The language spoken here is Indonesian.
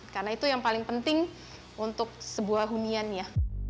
karena itu yang paling penting untuk sebuah hunian ya